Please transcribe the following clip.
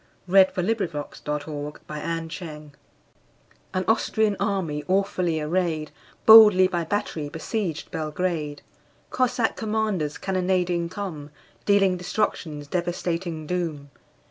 U V . W X . Y Z The Siege of Belgrade AN Austrian army, awfully arrayed, Boldly by battery besieged Belgrade. Cossack commanders cannonading come, Dealing destruction's devastating doom.